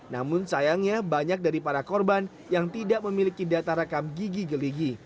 namun sayangnya banyak dari para korban yang tidak memiliki data rekam gigi geligi